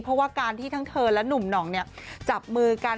เพราะว่าการที่ทั้งเธอและหนุ่มหน่องจับมือกัน